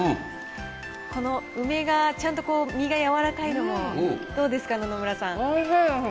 この梅がちゃんと身が柔らかいのも、どうですか、野々村さんおいしいです。